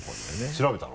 調べたの？